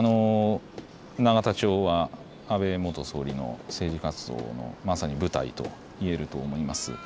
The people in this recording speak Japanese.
永田町は安倍元総理の政治活動のまさに舞台と言えると思います。